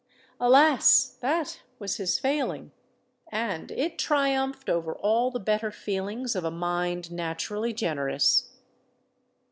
Alas! that was his failing; and it triumphed over all the better feelings of a mind naturally generous!